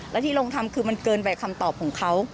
และที่ลงทำคือมันเกินไปคำตอบของเขา